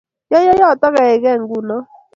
Yoyo yoto keikei nguno